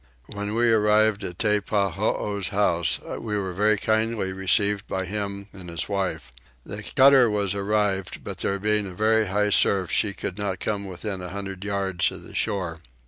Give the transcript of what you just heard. When we arrived at Teppahoo's house we were very kindly received by him and his wife. The cutter was arrived but there being a very high surf she could not come within a hundred yards of the shore.